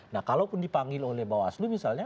nah kalaupun dipanggil oleh bawaslu misalnya